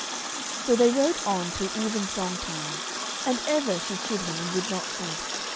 So they rode on till even song time, and ever she chid him and would not cease.